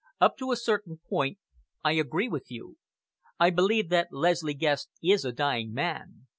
"Up to a certain point, I agree with you. I believe that Leslie Guest is a dying man.